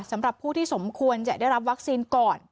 สำหรับผู้ที่สมควรจะได้รับวัคซีนก่อน